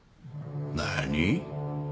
何？